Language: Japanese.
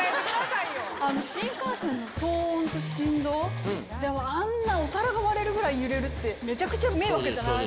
あの新幹線の騒音と振動、あんな、お皿が割れるぐらい揺れるって、めちゃくちゃ迷惑じゃなそうです、